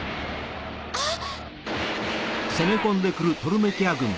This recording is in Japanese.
あっ！